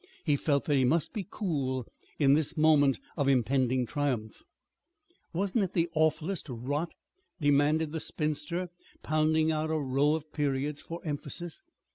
He felt that he must be cool in this moment of impending triumph. "Wasn't it the awfullest rot?" demanded the spinster, pounding out a row of periods for emphasis.